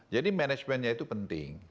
jadi manajemennya itu penting